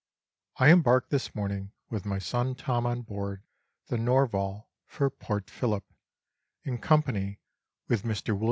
I embarked this morning with my son Tom on board the Norval for Port Phillip, in company with Mr. Wm.